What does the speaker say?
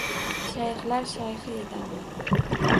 Shayxlar shayxi edi avval